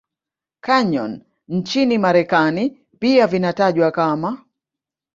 Canyon nchini Marekani pia vinatajwa kama